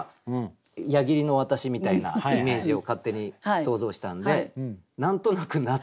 矢切の渡しみたいなイメージを勝手に想像したんで何となく夏。